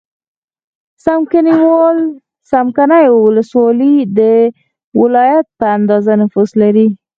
څمکنیو ولسوالۍ د ولایت په اندازه نفوس لري.